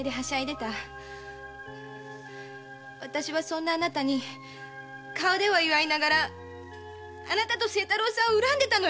そんなあなたに顔では祝いながらあなたと清太郎さんを恨んでた。